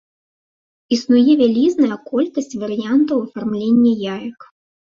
Існуе вялізная колькасць варыянтаў афармлення яек.